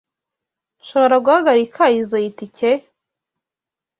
Nshobora guhagarika izoi tike?